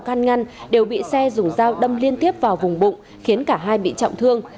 các đối tượng đều bị xe dùng dao đâm liên tiếp vào vùng bụng khiến cả hai bị trọng thương